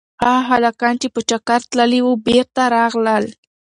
هغه هلکان چې په چکر تللي وو بېرته راغلل.